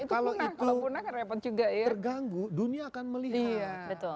kalau itu terganggu dunia akan melihat